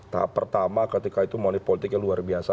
tahap pertama ketika itu monipolitiknya luar biasa